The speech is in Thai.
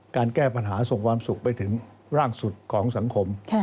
แก้ปัญหาส่งความสุขไปถึงร่างสุดของสังคม